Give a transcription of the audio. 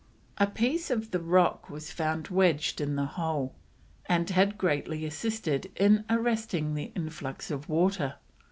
A piece of the rock was found wedged in the hole, and had greatly assisted in arresting the influx of water.